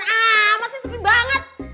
amat sih sepi banget